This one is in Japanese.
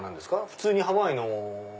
普通にハワイの。